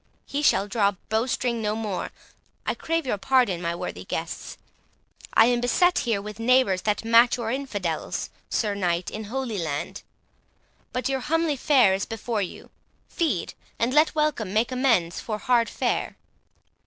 —he shall draw bowstring no more.—I crave your pardon, my worthy guests. I am beset here with neighbours that match your infidels, Sir Knight, in Holy Land. But your homely fare is before you; feed, and let welcome make amends for hard fare."